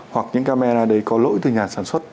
hoặc những camera đấy có lỗi từ nhà sản xuất